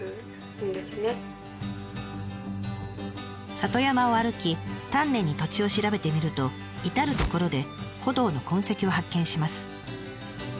里山を歩き丹念に土地を調べてみると至る所で古道の痕跡を発見します。